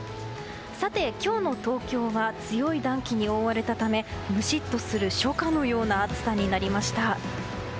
今日の東京は強い暖気に覆われたためムシッとする初夏のような暑さになりました。